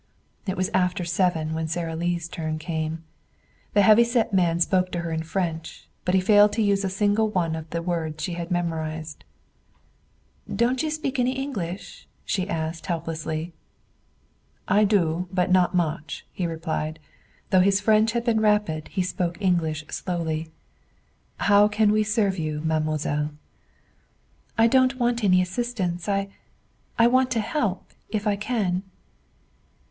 It was after seven when Sara Lee's turn came. The heavy set man spoke to her in French, but he failed to use a single one of the words she had memorized. "Don't you speak any English?" she asked helplessly. "I do; but not much," he replied. Though his French had been rapid he spoke English slowly. "How can we serve you, mademoiselle?" "I don't want any assistance. I I want to help, if I can."